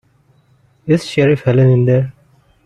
Is Sheriff Helen in there?